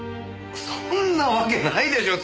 そんなわけないでしょう